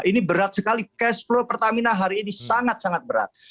ini berat sekali cash flow pertamina hari ini sangat sangat berat